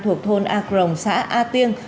thuộc thôn a crong xã a tiêng